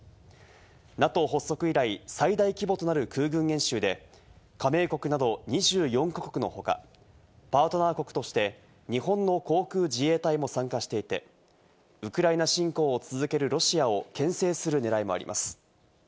ＮＡＴＯ発足以来、最大規模となる空軍演習で、加盟国など２４か国のほか、パートナー国として日本の航空自衛隊も参加していて、ウクライナ侵攻を続けるロシアをけん制する狙いもあります。